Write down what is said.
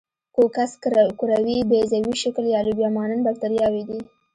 کوکس کروي، بیضوي شکل یا لوبیا مانند باکتریاوې دي.